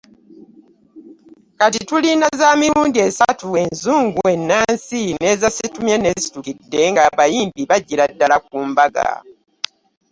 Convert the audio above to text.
Kati tulina za mirundi esatu; enzungu, ennansi n’eza situmyenneesitukidde ng’abayimbi bajjira ddala ku mbaga.